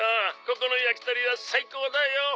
ここの焼き鳥は最高だよ」